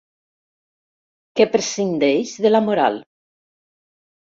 Que prescindeix de la moral.